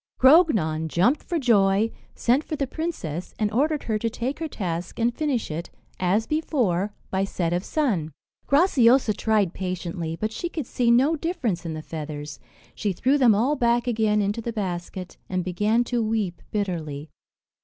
Grognon jumped for joy, sent for the princess, and ordered her to take her task, and finish it, as before, by set of sun. Graciosa tried patiently, but she could see no difference in the feathers; she threw them all back again into the basket, and began to weep bitterly.